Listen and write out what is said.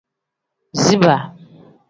Ziba.